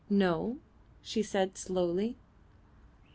"No," she said, slowly.